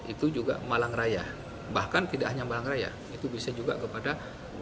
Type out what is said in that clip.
itu juga malang raya bahkan tidak hanya malang raya itu bisa juga kepada